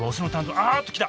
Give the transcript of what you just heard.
あっと来た！